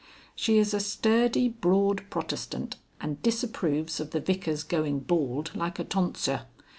She is a sturdy Broad Protestant and disapproves of the Vicar's going bald like a tonsure.